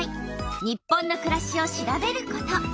「日本のくらし」を調べること。